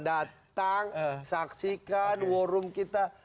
datang saksikan war room kita